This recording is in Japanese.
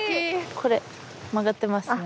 これ曲がってますね。